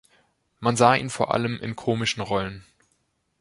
Man sah ihn vor allem in komischen Rollen.